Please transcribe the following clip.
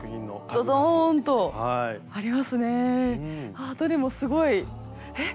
ああどれもすごいえっ？